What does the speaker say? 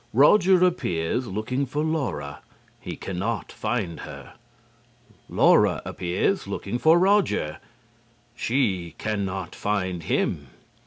Roger appears, looking for Laura. He can not find her. Laura appears, looking for Roger. She can not find him.